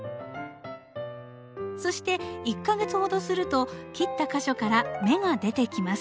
そして１か月ほどすると切った箇所から芽が出てきます。